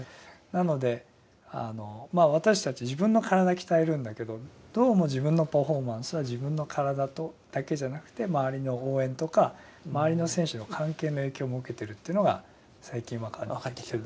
なので私たち自分の体鍛えるんだけどどうも自分のパフォーマンスは自分の体だけじゃなくて周りの応援とか周りの選手の関係の影響も受けてるというのが最近分かってきて。